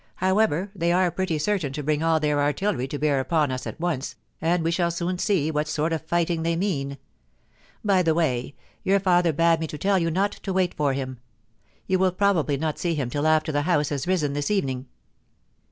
However, they are pretty certain to bring all their aitilleiy to bear upon us at once, and we shall soon see what sort of fighdng they mean. By the way, your father bade me tell you not to wait for him. You will probably not see him till after the House has risen this evening.'